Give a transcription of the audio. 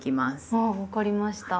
あ分かりました。